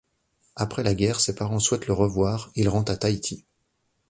Après la guerre, ses parents souhaitant le revoir, il rentre à Tahiti.